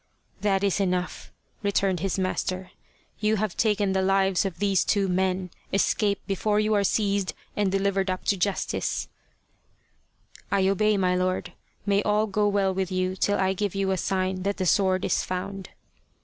" That is enough," returned his master. " You have taken the lives of these two men escape before you are seized and delivered up to justice." " I obey, my lord ! May all go well with you till I give you a sign that the sword is found."